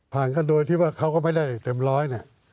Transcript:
ผ่านกันด้วยที่ว่าเค้าก็ไม่ได้เต็มร้อย